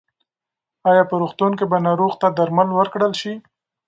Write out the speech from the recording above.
ایا په روغتون کې به ناروغ ته درمل ورکړل شي؟